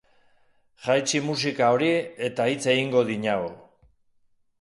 Jaitsi musika hori eta hitz egingo dinagu.